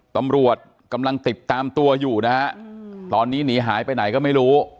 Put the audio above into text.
ตำรวจกำลังติดตามตัวอยู่นะฮะตอนนี้หนีหายไปไหนก็ไม่รู้